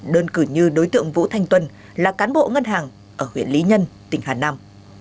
đơn cử như đối tượng vũ thanh tuân là cán bộ ngân hàng ở huyện lý nhân tỉnh hà nam